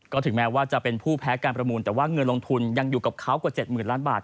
ก็ถึงแม้ว่าจะเป็นผู้แพ้การประมูลแต่ว่าเงินลงทุนยังอยู่กับเขากว่า๗๐๐ล้านบาท